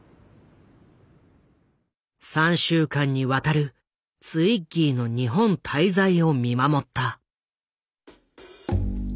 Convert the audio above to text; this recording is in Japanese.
３週間にわたるツイッギーの日本滞在を見守った。